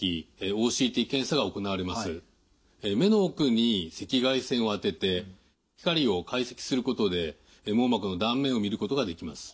目の奥に赤外線を当てて光を解析することで網膜の断面をみることができます。